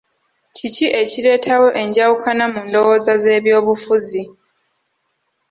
Kiki ekireetawo enjawukana mu ndowooza z'ebyobufuzi?